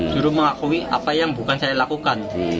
juru mengakui apa yang bukan saya lakukan